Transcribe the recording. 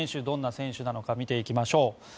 どんな選手なのか診ていきましょう。